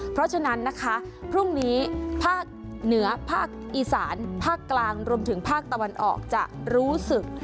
เพราะฉะนั้นนะคะพรุ่งนี้ภาคเหนือภาคอีสานภาคกลางรวมถึงภาคตะวันออกจะรู้สึก